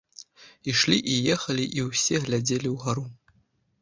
Ішлі і ехалі і ўсе глядзелі ўгару.